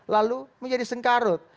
lalu menjadi sengkarut